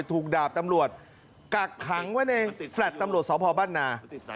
ดาบตำรวจกักขังไว้ในแฟลต์ตำรวจสพบ้านนา